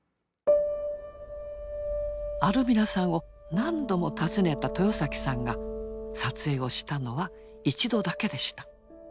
アルミラさんを何度も訪ねた豊さんが撮影をしたのは一度だけでした。